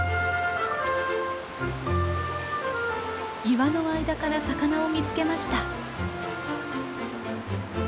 岩の間から魚を見つけました。